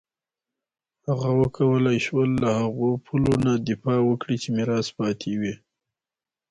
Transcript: هغه وکولای شول له هغو پولو نه دفاع وکړي چې میراث پاتې وې.